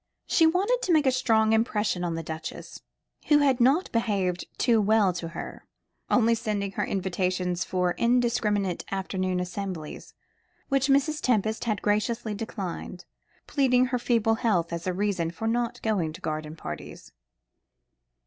She wanted to make a strong impression on the Duchess, who had not behaved too well to her, only sending her invitations for indiscriminate afternoon assemblies, which Mrs. Tempest had graciously declined, pleading her feeble health as a reason for not going to garden parties.